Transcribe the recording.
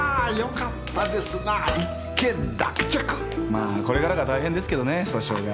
まあこれからが大変ですけどね訴訟が。